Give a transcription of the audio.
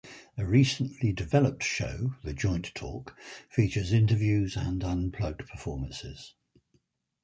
A recently developed show "The Joint Talk", features interviews and unplugged performances.